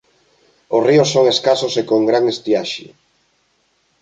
Os ríos son escasos e con gran estiaxe.